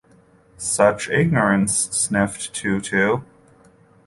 Such ignorance!” sniffed Too-Too.